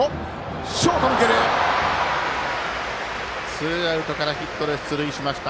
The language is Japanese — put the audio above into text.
ツーアウトからヒットで出塁しました。